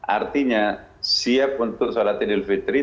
artinya siap untuk sholat id dil fitri